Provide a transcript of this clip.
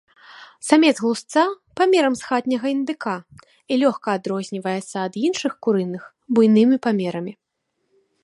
Самец глушца памерам з хатняга індыка і лёгка адрозніваецца ад іншых курыных буйнымі памерамі.